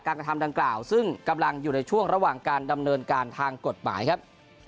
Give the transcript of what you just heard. กระทำดังกล่าวซึ่งกำลังอยู่ในช่วงระหว่างการดำเนินการทางกฎหมายครับ